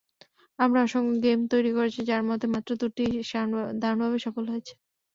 আমরা অসংখ্য গেম তৈরি করেছি, যার মধ্যে মাত্র দুটি দারুণভাবে সফল হয়েছে।